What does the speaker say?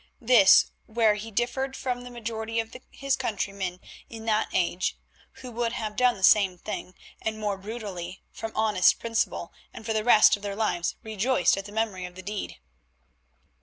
This was where he differed from the majority of his countrymen in that age, who would have done the same thing, and more brutally, from honest principle, and for the rest of their lives rejoiced at the memory of the deed.